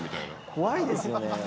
怖いですよね。